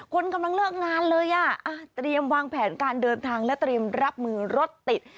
คนกำลังเลิกงานเลยอ่ะเตรียมวางแผนการเดินทางและเตรียมรับมือรถติด